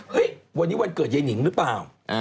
เฮ้ยวันนี้วันเกิดเย็นหญิงหรือเปล่า